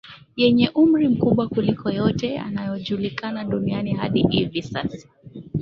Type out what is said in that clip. yenye umri mkubwa kuliko yote yanayojulikana duniani hadi hivi sasa